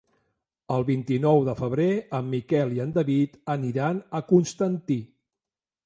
El vint-i-nou de febrer en Miquel i en David aniran a Constantí.